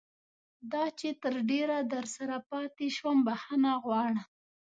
دا چې تر ډېره درسره پاتې شوم بښنه غواړم.